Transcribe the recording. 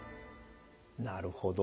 なるほど。